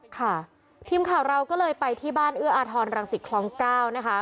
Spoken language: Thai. ค่ะทีมข่าวเราก็เลยไปที่บ้านเอื้ออาทรรังสิตคลองเก้านะคะ